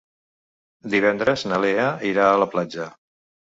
Divendres na Lea irà a la platja.